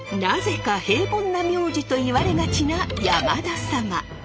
なぜか平凡な名字と言われがちな山田サマ。